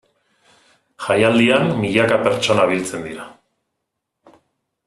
Jaialdian milaka pertsona biltzen dira.